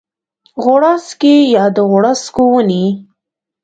غوړاڅکی یا د غوړاڅکو ونې